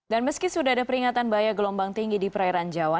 dan meski sudah ada peringatan bahaya gelombang tinggi di perairan jawa